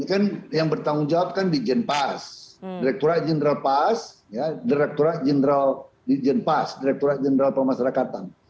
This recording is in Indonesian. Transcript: ini kan yang bertanggung jawab kan di jenpas direkturat jenderal pas direkturat jenderal pemasarakatan